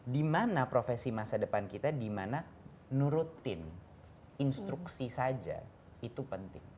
di mana profesi masa depan kita dimana nurutin instruksi saja itu penting